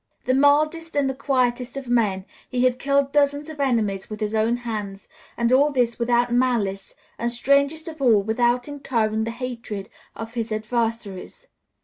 The mildest and the quietest of men, he had killed dozens of enemies with his own hand, and all this without malice and, strangest of all, without incurring the hatred of his adversaries.